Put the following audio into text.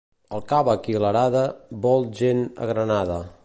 El càvec i l'arada vol gent agranada.